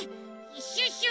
シュッシュ